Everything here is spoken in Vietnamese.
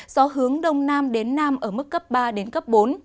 gió hướng đông nam đến nam ở mức cấp ba bốn